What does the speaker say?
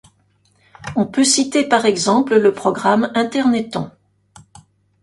On peut citer par exemple le programme Internethon.